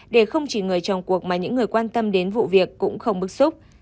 để không chỉ người trong cuộc mà những người quan tâm đến vụ việc cũng không bức xúc